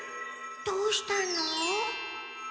どうしたのお？